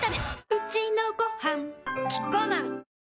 うちのごはんキッコーマン